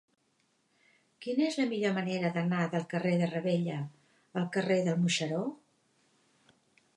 Quina és la millor manera d'anar del carrer de Ravella al carrer del Moixeró?